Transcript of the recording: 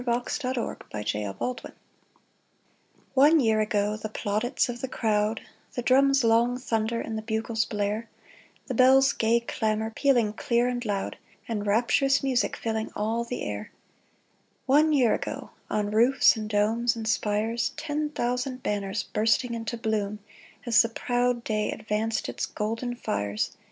MARCH FOURTH 1881 1882 One year ago the plaudits of the crowd, The drum's long thunder and the bugle's blare, The bell's gay clamor, pealing clear and loud, And rapturous music filling all the air ; One year ago, on roofs and domes and spires, Ten thousand banners bursting into bloom As the proud day advanced its golden fires.